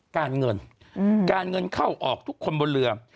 การเงินการเงินเข้าออกทุกคนบนเรือ